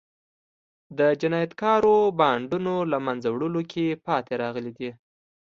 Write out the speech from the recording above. د جنایتکارو بانډونو له منځه وړلو کې پاتې راغلي دي.